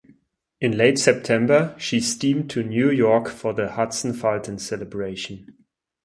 In late September, she steamed to New York for the Hudson-Fulton Celebration.